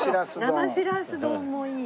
生しらす丼もいい。